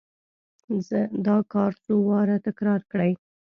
دا کار څو واره تکرار کړئ.